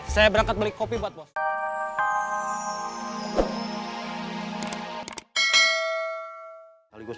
saya berangkat beli kopi buat bos